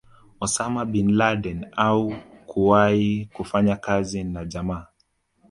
Osama Bin Laden au kuwahi kufanya kazi na jamaa